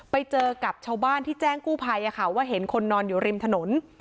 ไปเจอกับชาวบ้านที่แจ้งกู้ภัยว่าเห็นคนนอนอยู่ริมถนน